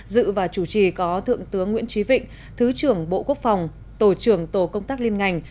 dự và chủ trì có thượng tướng nguyễn trí vịnh thứ trưởng bộ quốc phòng tổ trưởng tổ công tác liên ngành